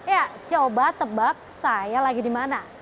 ya coba tebak saya lagi di mana